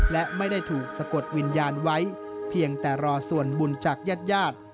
และไม่ได้ถูกสะกดวิญญาณไว้เพียงแต่รอส่วนบุญจากญาติญาติ